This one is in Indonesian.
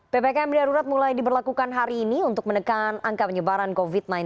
ppkm darurat mulai diberlakukan hari ini untuk menekan angka penyebaran covid sembilan belas